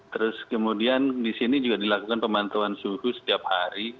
terus kemudian di sini juga dilakukan pemantauan suhu setiap hari